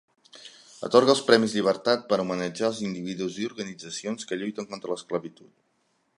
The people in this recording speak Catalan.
Atorga el Premis Llibertat per homenatjar als individus i organitzacions que lluiten contra l'esclavitud.